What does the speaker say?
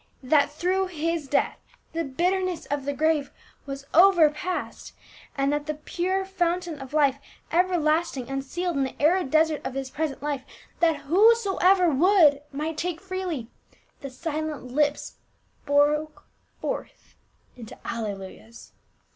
that through his death the bitterness of the grave was overpast, and the pure fountain of life ever lasting unsealed in the arid desert of this present life, 320 PA UL. that whosoever would might take freely, the silent lips broke forth into alleluias.